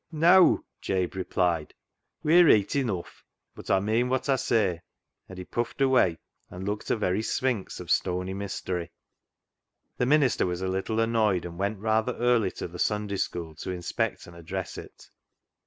" Neaw," Jabe replied, " we're reet enough, but Aw mean wot Aw say," and he puffed away and looked a very sphinx of stony mystery. The minister was a little annoyed, and went rather early to the Sunday School to inspect and address it.